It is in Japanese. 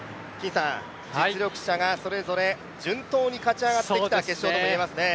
実力者がそれぞれ順当に勝ち上がってきた決勝ともいえますね。